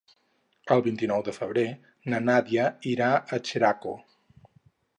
El vint-i-nou de febrer na Nàdia irà a Xeraco.